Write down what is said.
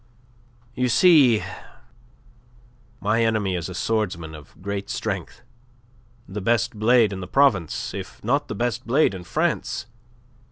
"You see, my enemy is a swordsman of great strength the best blade in the province, if not the best blade in France.